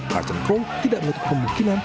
harten kroon tidak menutup kemungkinan